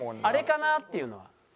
「あれかな？」っていうのは？